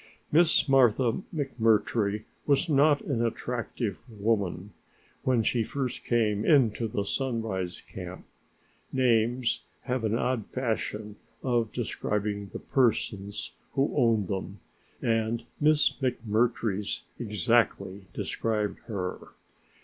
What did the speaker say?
Miss Martha McMurtry was not an attractive woman when she first came into the Sunrise Camp. Names have an odd fashion of describing the persons who own them and Miss McMurtry's exactly described her.